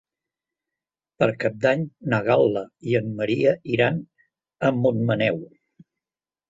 Per Cap d'Any na Gal·la i en Maria iran a Montmaneu.